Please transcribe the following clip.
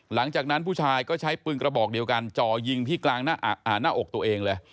หลังจากนั้นผู้ชายก็ใช้ปืนกระบอกเดียวกันจ่อยิงที่กลางหน้าอกตัวเองเลย